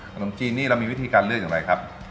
ขนมจีนนี่เรามีวิธีการเลือกอย่างไรครับ